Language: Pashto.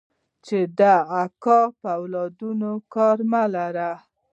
چې د اکا په اولادونو کار مه لره.